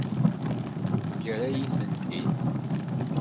Yerra-yi-tent-id.